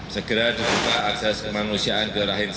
segera diperlukan akses kemanusiaan ke rahim state